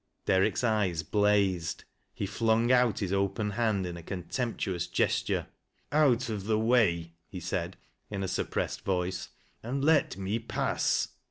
Derrick's eyes blazed, he flung out his open hand in a contemptuous gesture. " Out of the way," he said, in a suppressed voice, " and let me pass."